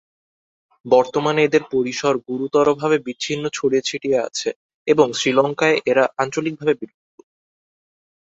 বর্তমানে এদের পরিসর গুরুতরভাবে বিচ্ছিন্ন ছড়িয়ে ছিটিয়ে আছে এবং শ্রীলঙ্কায় এরা আঞ্চলিকভাবে বিলুপ্ত।